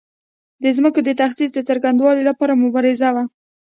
د ځمکو د تخصیص د څرنګوالي لپاره مبارزه وه.